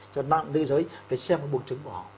cho nên là nam giới phải xem buồn trứng của họ